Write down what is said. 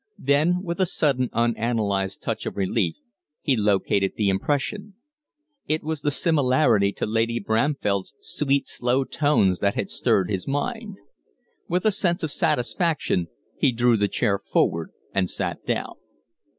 Then, with a sudden, unanalyzed touch of relief, he located the impression. It was the similarity to Lady Bramfell's sweet, slow tones that had stirred his mind. With a sense of satisfaction he drew the chair forward and sat down.